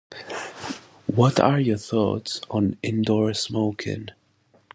What are your thoughts on indoors smoking?